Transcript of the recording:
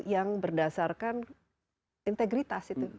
yang berdasarkan integritas itu